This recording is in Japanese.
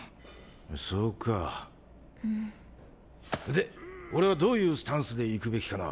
で俺はどういうスタンスでいくべきかな？